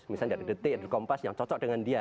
misalnya dari detik ada kompas yang cocok dengan dia